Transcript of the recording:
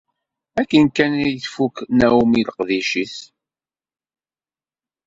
Akken kan ay tfuk Naomi leqdic-is.